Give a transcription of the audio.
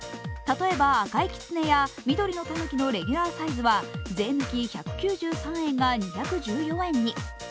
例えば赤いきつねや緑のたぬきのレギュラーサイズは税抜き１９３円が２１４円に。